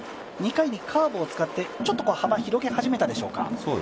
２回にカーブを使って、ちょっと幅を広げ始めたでしょうか？